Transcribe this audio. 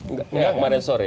nggak kemarin sore